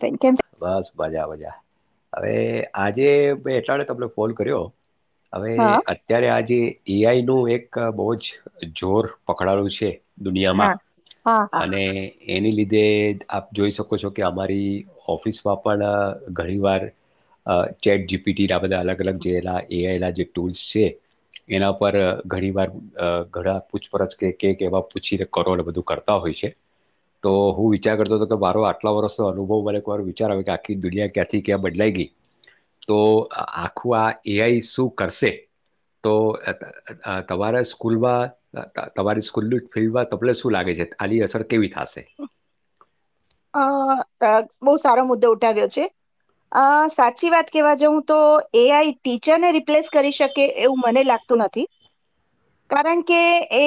બેન કેમ છે? બસ મજા મજા. હવે આજે એટલા તમને ફોન કર્યો. હવે હા અત્યારે આજે જે ઈ આઈ નું એક બહુ જ જોર પકડાયાયું છે. દુનિયામાં, હા હા હા અને એની લીધે આપ જોઈ શકો છો કે અમારી ઓફિસમાં પણ ઘણીવાર ચેટ જી પી ટી બા અલગ અલગ જેલા એ આઈલા જે ટૂલ્સ છે એના પર ઘણી વાર ઘણા પૂછપરછ કે કેક એવા પૂછી કરોડ બધું કરતા હોય છે, તો હું વિચાર કરતો હતો કે મારો આટલા વર્ષનો અનુભવ બને એક વાર વિચાર આવે કે આખી દુનિયા ક્યાંથી ક્યાં બદલાઈ ગઈ, તો આખું આ એ આઈ શું કરશે, તો તમારા સ્કૂલમાં તમારી સ્કૂલમાં ફિલ્ડમાં તને શું લાગે છે આ અસર કેવી થશે. અ બહુ સારો મુદ્દો ઉઠાવ્યો છે, અ સાચી વાત કહેવા જાઉું તો એ આઈ ટીચરને રિપ્લેસ કરી શકે એવું મને લાગતું નથી, કારણ કે એ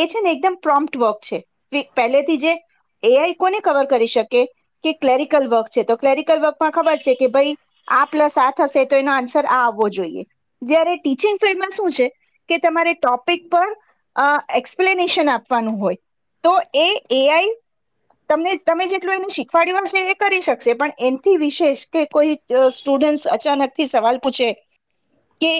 એ છે ને એકદમ પ્રોમ્પ્ટ વર્ક છે, પહેલેથી જે એ આઈ કોને કવર કરી શકે, કે ક્લેરિકલ વર્ક છે તો ક્લેરિકલ વર્કમાં ખબર છે કે ભાઈ આ પ્લસ આ થશે તો એનો આન્સર આ આવવો જોઈએ, જયારે ટીચિંગ ફિલ્ડમાં શું છે, કે તમારે ટોપિક પર એક્સપ્લેનેશન આપવાનું હોય, તો એ એ આઈ ત તમે જેટલું એને શીખવાડ્યું હશે, એ કરી શકશે પણ એથી વિશેષ કે કોઈ સ્ટુડન્ટ અચાનકથી સવાલ પૂછે કે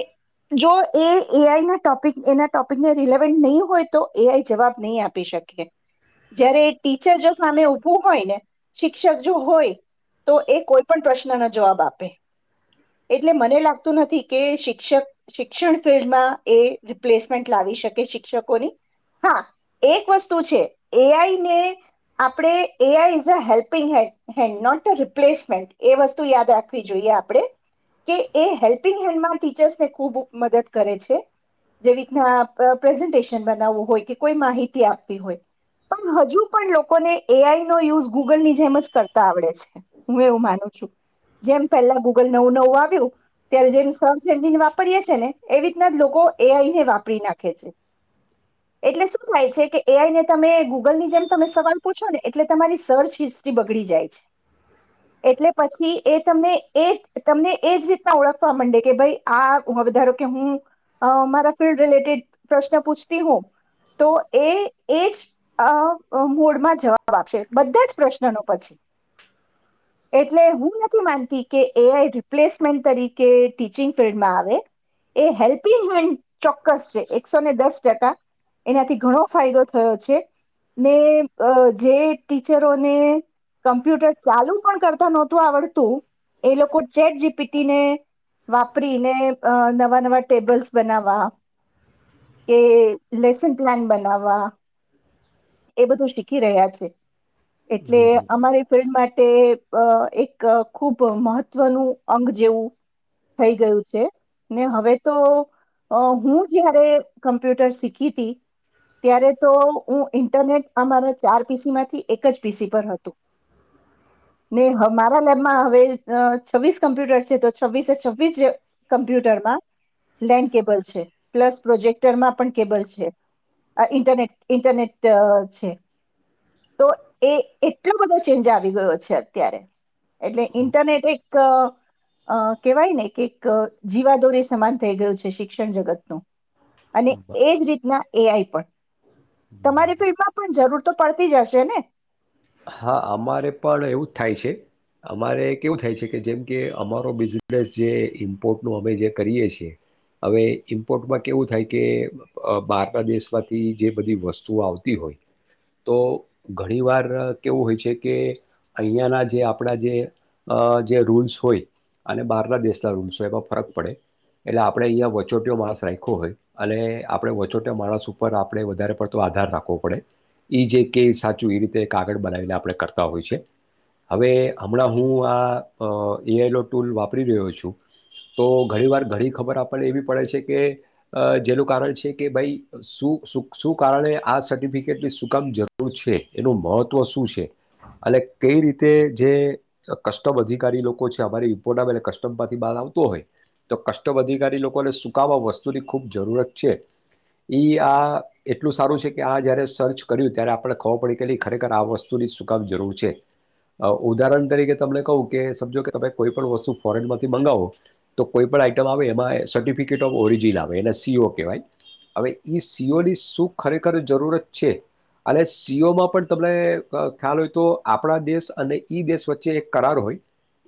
જો એ એઆઈના ટોપિક એના ટોપિકને રિલેવન્ટ નહી હોય તો એઆઈ જવાબ નહી આપી શકે, જ્યારે ટીચર જો સામે ઉઊભું હોય ને શિક્ષક જો હોય તો એ કોઈ પણ પ્રશ્નનો જવાબ આપે એટલે મને લાગતું નથી કે શિક્ષક શિક્ષણ ફિલ્િલ્ડમાં એ રિપ્લેસમેન્ટ લાવી શકે શિક્ષકોની હા એક વસ્તુ છે, એઆઈને આપણે એ આ is a helping hand not a replacement એ વસ્તુ યાદ રાખવી જોઈએ, આપણે કે એ હેલ્પિંગ હેન્ડમાં ટીચર્સને ખૂબ મદદ કરે છે, જેવી રીતના પ્રેઝન્ટેશન બનાવવું હોય કે કોઈ માહિતી આપવી હોય પણ હજુ પણ લોકોને એઆઈ નો યુઝ ગૂગલ ની જેમ જ કરતા આવડે છે, હું એવું માનું છું, જેમ પહેલા ગૂગલ નવું નવું આવ્યું ત્યારે જેમ સર્ચ એન્જિન વાપરીએ છે, ને એવી રીતના લોકો એઆઈને વાપરી નાખે છે, એટલે શું થાય છે કે એઆઈને તમે ગૂગલ ની જેમ તમે સવાલ પૂછો ને એટલે તમારી સર્ચ હિસ્ટ્રી બગડી જાય છે, એટલે પછી એ તમને એ તમને એજ રીતના ઓળખવા માંડે કે ભાઈ આ વધારો કે હું મારા ફિલ્ડ રિલેટેડ પ્રશ્ન પૂછતી હોઉં તો એજ મોડમાં જવાબ આપશે બધા જ પ્રશ્નનો પછી એટલે હું નથી માનતી કે એઆઈ રિપ્લેસમેન્ટ તરીકે ટીચિંગ ફિલ્ડમાં આવે એ હેલ્પિંગ હ ચોક્કસ છે, એકસો ને દસ જતા એનાથી ઘણો ફાયદો થયો છે, [inaudible] ને જે ટીચરોને કમ્પ્યુટર ચાલુ પણ કરતા નહોતું, આવડતું એ લોકો ચેટ જીપીટીને વાપરીને નવા નવા ટેબલ્સ બનાવવા કે લેસન પ્લાન બનાવવા એ બધું શીખી રહ્યા છે, એટલે હમ, અમારી ફિલ્ડ માટે એક ખૂબ મહત્વનું અંગ જેવું થઈ ગયું છે, ને હવે તો હું જયારે કમ્પ્યુટર શીખી હતી, ત્યારે તો હું ઇન્ટરનેટ અમારા ચાર પીસી માંથી એક જ પીસી પર હતું ને મારા લેબમાં હવે છવ્વીસ કમ્પ્યુટર છે, તો છવ્વીસે છવ્વીસ કમ્પ્યુટરમાં લેન્ડ કેબલ છે, પ્લસ પ્રોજેક્ટરમાં પણ કેબલ છે, આ ઇન્ટરનેટ ઇન્ટરનેટ અ છે તો એ એટલો બધો ચેન્જ આવી ગયો છે, અત્યારે એટલે ઇન્ટરનેટ એક કેહેવાય ને કે એક જીવાદોરે સમાન થઈ ગયું છે, શિક્ષણ જગતનુંું અને બ- એજ રીતના એઆઈ પણ તમારી બરાબર. ફિલ્ડમાં પણ જરૂર તો પડતી જ હશે ને હા અમારે પણ એવું જ થાય છે, અમારે કેવું થાય છે, કે જેમ કે અમારો બિઝનેસ જે ઇમ્પોર્ટનું અમે જે કરીએ છીએ હવે ઇમ્પોર્ટમાં કેવું થાય કે બહારના દેશમાંથી જે બધી વસ્તુઓ આવતી હોય તો ઘણી વાર કેવું હોય છે, કે અહીંયાના જે આપણા જે રૂલ્સ હોય અને બહારના દેશના રૂલ્સ હોય એમાં ફરક પડે એટલે આપણે અહીંયા વચોટયો માણસ રાખ્યો હોય અને આપણે વચોટ માણસ ઉપર આપ આપણે વધારે પડતો આધાર રાખવો પડે એ જે કે સાચું એ રીતે કાગળ બનાવીને આપણે કરતા હોય છે, હવે હમણાં હું આ એઆઈનો ટૂલ વાપરી રહ્યો છું, તો ઘણી વાર ઘણી ખબર આપણને એવી પડે છે, કે જેનું કારણ છે, કે ભાઈ શું શ શું કારણે આ સર્ટિફિકેટની સુકામ જરૂર છે એનું મહત્ત્વ શું છે, અને કઈ રીતે જે કસ્ટમ અધિકારી લોકો છે, અમારી ઇમ્પોર્ટ આવેટલે કસ્ટમ પરથી બહાર આવતો હોય તો કસ્ટમ અધિકારી લોકોને સુકામ આ વસ્તુની ખૂબ જરૂરત છે, ઈ આ એટલું સારું છે, કે આ જ્યારે સર્ચ કર્યું ત્યારે આપણે ખબર પડી કેટલી ખરેખર આ વસ્તુની સુૂકામ જરૂર છે, ઉદાહરણ તરીકે તમને કહું કે સમજો કે તમે કોઈપણ વસ્તુ ફોરેનમાંથી મંગાવો તો કોઈ પણણ આઈટમ આવે એમાં સર્ટિફિકેટ ઓફ ઓરિજિન આવે એને સીઓ કહેવાય હવે એ સીઓની શું ખરેખર જરૂરત છે, અને સીઓમાં પણ તમને ખ્યાલ હોય તો આપણા દેશ અને ઈ દેશ વચ્ચે એક કરાર હોય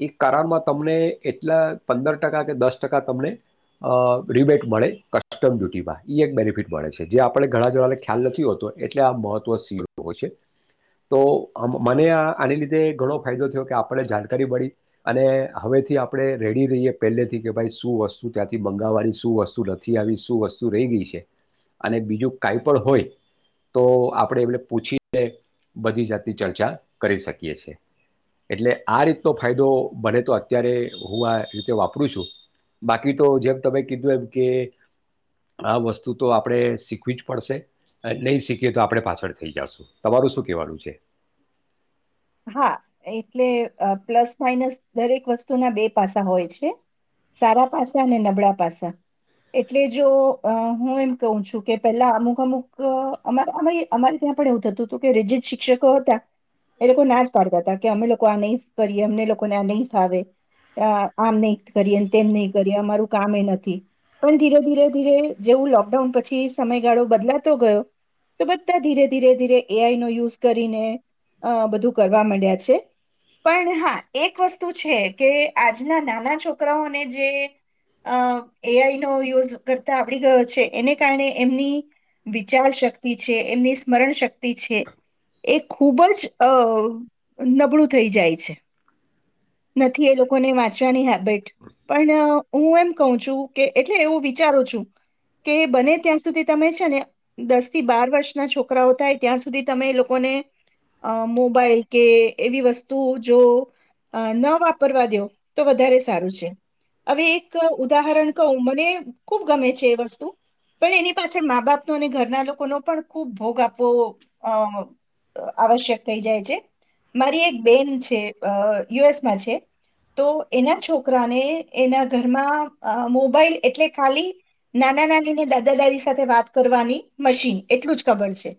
એ કરારમાં તમને એટલા પંદર ટકા કે દસ ટકા તમને રિબેટ મળે કસ્ટમ ડ્યુટીમાં એ એક બેનિફિટ મળે છે, જે આપ આપણે ઘણા જોડાને ખ્યાલ નથી હોતો એટલે આ મહત્ત્વ સીળો હોય છે, તો મને આની લીધે ઘણો ફાયદો થયો કે આપણને જાણકારી મળી અને હવેથી આપણે રેડી રહીએ પહેલેથી કે ભાઈ શું વસ્તુ ત્યાંથી મંગાવવાની શું વસ્તુ નથી આવી શું વસ્તુ રહી ગઈ છે, અને બીજું કઈ પણ હોય તો આપણે એમને પૂછીને બધી જાતની ચર્ચા કરી શકીએ છે, એટલે આ રીતનો ફાયદો ભને તો અત્યારે હું આ રીતે વાપરું છું, બાકી તો જેમ તમે કીધું એમ કે આ વસ્તુ તો આપણે શીખવી જ પડશે નહીં શીખએ તો આપણે પાછળ થઈ જશું, તમારું શું કહેવાનું છે? હા એટલે પ્લસ માઇનસ દરેક વસ્તુના બે પાસા હોય છે, સારા પાસા અને નબળા પાસા એટલે જો હું એમ કહું છું, કે પેલા અમુક અમુક અરી અમારી ત્યાં પણ એવું થતું હતું કે રિજિટ શિક્ષકો હતા એ લોકો નાશ પાડતા હતા કે અમે લોકો આ નહીં કરીએ, અમને લોકોને આ નહીં ફાવે આમ નહીં કરીએ તેમ નહી કરીએ અમારું કામ એ નથી પણ ધીરે ધીરે ધીરે જેવું લોકડાઉન પછી સમયગાળો બદલાતો ગયો તો બધા ધીરે ધીરે ધીરે એઆઈ નો યુઝ કરીને અ બધું કરવા માંડ્યા છે, પણ હા એક વસ્તુ છે કે આજના નાના છોકરાઓને જે અ એઆઈ નો યુઝ કરતા આવડી ગયો છે, એને કારણે એમની વિચાર શક્તિ છે, એમની સ્મરણ શક્તિ છે એ ખૂબ જ અ નબળું થઈ જાય છે, નથી એ લોકોને વાંચવાની હેબિટ પણ હું એમ કહું છું, કે એટલે એવું વિચારું છું કે બને ત્યાં સુધી તમે છે, ને દસ થી બાર વર્ષના છોકરાઓ થાય ત્યાં સુધી તમે એ લોકોને અ મોબાઈલ કે એવી વસ્તુ જો ન વાપરવા દો તો વધારે સારું છે, હવે એક ઉદાહરણ કહું મને ખૂબ ગમે છે, એ વસ્તુ પણ એની પાછળ મા બાપનો અને ઘરના લોકોનો પણ ખૂબ ભોગ આપવો અ આવશ્યક થઈ જાય છે, મારી એક બેન છે યુએસમાં છે, તો એના છોકરાને એના ઘરમાં મોબાઈલ એટલે ખાલી નાના નાનીને દાદા દાદી સાથે વાત કરવાની મશીન એટલું જ ખબર છે,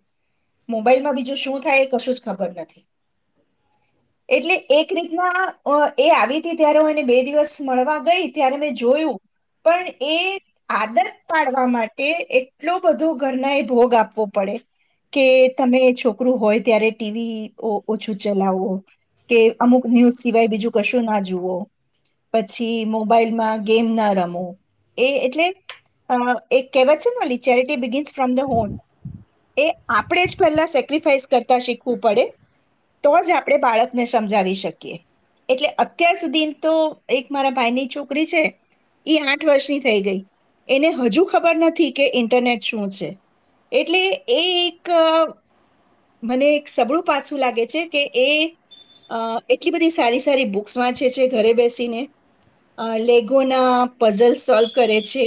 મોબાઈલમાં બીજું શું થાય ખબર નથી, એટલે એક રીતના એ આવી હતી ત્યારે હું એને બે દિવસ મળવા ગઈ ત્યારે મેં જોયું પણ એ આદત પાડવા માટે એટલો બધો ઘરના એ ભોગ આપવો પડે કે તમે છોકરું હોય ત્યારે ટીવી ઓછું ચલાવો કે અમુક ન્યૂઝ સિવાય બીજું કશું ના જુવો પછી મોબાઈલમાં ગેમ ના રમો એ એટલે કહેવત છેને charity begins from the home એ આપણે જ પહેલા સેકફાઈસ કરતા શીખવું પડે તો જ આપણે બાળકને સમજાવી શકીએ એટલે અત્યાર સુધી તો એક મારા ભાઈની છોકરી છે એ આઠ વર્ષની થઈ ગઈ એને હજુ ખબર નથી કે ઇન્ટરનેટ શું છે એટલે એ એક મને એક સબળું પાછું લાગે છે કે એ એટલી બધી સારી સારી બુક્સ વાંચે છે ઘરે બેસીને લેગોના પઝલ સોલ્વ કરે છે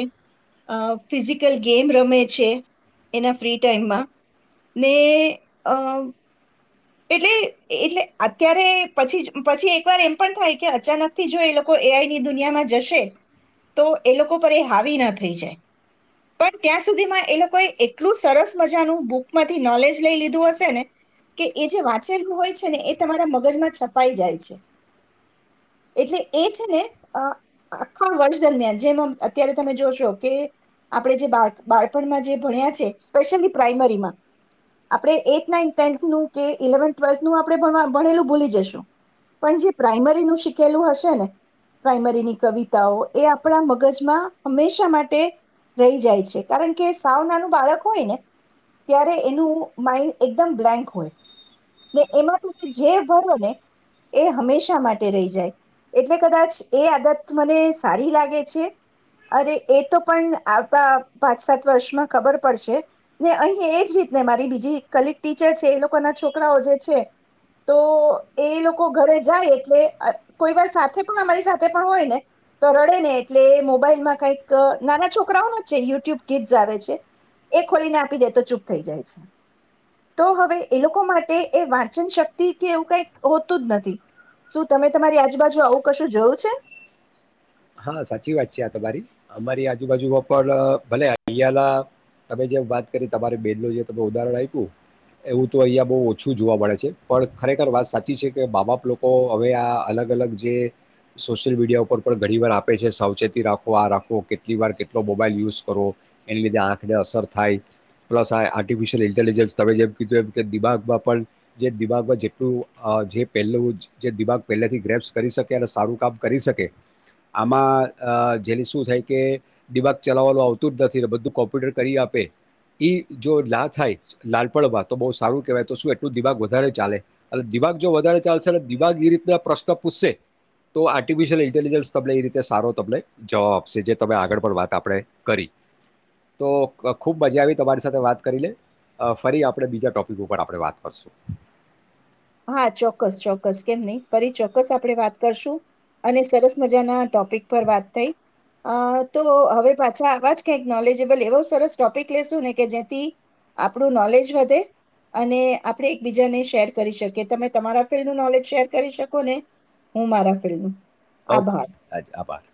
ફિઝિકલ ગેમ રમે છે એના ફ્રી ટાઈમમાં ને [inaudible] એટલે એટલે અત્યારે પછી પછી એક વાર એમ પણ થાય કે અચાનકથી જો એ લોકો એઆઈની દુનિયામાં જશે તો એ લોકો પર એ હાવી ના થઈ જાય પણ ત્યાં સુધીમાં એ લોકોએ એટલું સરસ મજાનું બુકમાંથી નોલેજ લઈ લીધું હશે ને કે એ જે વાંચેલું હોય છે ને એ તમારા મગજમાં છપાઈ જાય છે એટલે એ છે ને આખા વર્ષ દરમિયાન જેમ અત્યારે તમે જોશો કે આપણે જે બા બાળપણમાં જે ભણ્યા છે સ્પેશયલી પ્રાઈમરીમાં આપણે એથ નાથ ટેન્થનું કે ઇલેવન ટ્વેલ્થનુંું આપણે ભણેલું ભૂલી જશું પણ જે પ્રાઇમરીનું શીખેલું હશે ને પ્રાઇમરીની કવિતાઓ એ આપણા મગજમાં હંમેશા માટે રહી જાય છે કારણ કે સાવ નાનું બાળક હોય ને ત્યારે એનું માઈન્ડ એકદમ બ્લેન્ક હોય ને એમાં તો જે ભરો ને એ હંમેશા માટે રહી જાય એટલે કદાચ એ આદત મને સારી લાગે છે અનેરે એ તો પણ આવતા પાંચ સાત વર્ષમાં ખબર પડશે ને અહીં એ જ રીતને મારી બીજી કલિક ટીચર છે એ લોકોના છોકરાઓ જે છે તો એ લોકો ઘરે જાય એટલે કોઈ વાર સાથે પણ અમારી સાથે પણ હોય ને તો રડે ને એટલે મોબાઈલમાં કઈક નાના છોકરાઓ જ છે યુટ્યુબ કીટસ આવે છે એ ખોલીને આપી દે તો ચૂપ થઈ જાય છે તો હવે એ લોકો માટે એ વાંચન શક્તિ કે એવું કઈ હોતું જ નથી શું તમે તમારી આજુ બાજુ આવું કશું જોયું છે હા સાચી વાત છે આ તમારી અમારી આજુબાજુમાં પણ ભલે અહં ના તમે જે વાત કરી તમારે બેન ન જે ત ઉદાહરણ આપ્યું એવું તો અહિયાં બહ ઓછું જોવા મળે છે પણ ખરેખર વાત સાચી છે કે મા બાપ લોકો હવે આ અલગ અલગ જે સોશિયલ મીડિયા ઉપર પણ ઘણી વાર આપે છે સાવચેતી રાખો આ રાખો કેટલી વાર કેટલો મોબાઈલ યુઝ કરો એની લીધે આંખને અસર થાય પ્લસ આ આર્ટિફિશિયલ ઇન્ટેલિજન્સ તમે જેમ કીધું એમ કે દિમાગમાં પણ જે દિમાગમાં જેટલું જે પહેલું જે દિમાગ પહેલાથી ગ્રેપ્સ કરી શકે અને સારું કામ કરી શકે આમાં જેલી શું થાય કે દિમાાગ ચલાવવાનું આવતું જ નથી બધું કોમ્પ્યુટર કરી આપે એ જો લા થાય લાલ પડવા તો બહુ સારું કેહેવાય તો શું તો દિભાગ વધારે ચાલે અને દિભાગ જો વધારે ચાલશે અને દિવાાગ એ રીતના પ્રશ્ન પૂછશે તો આર્ટિફિશિયલ ઇન્ટેલિજન્સ તમને એ રીતે સારો તમને જવાબ આપશે જે તમે આગળ પણ વાત આપણે કરી તો ખૂબ મજા આવી તમારી સાથે વાત કરી લે ફરી આપણે બીજા ટોપિક ઉપર આપણે વાત કરશું હા ચોક્કસ ચોક્કસ કેમ નહી ફરી ચોક્કસ આપણે વાત કરશું અને સરસ મજાના ટોપિક પર વાત થઈ અ તો હવે પાછા આવા જ કંક નોલેજેબલ એવો સરસ ટોપિક લેશું ને કે જેથી આપણું નોલેજ વધે અને આપણે એકબીજાને શેર કરી શકે તમે તમારા ફિલ્ડ ન નોલેજ શેર કરી શકો ને હું મારા ફિલ્ડ નું ઓકે આભાર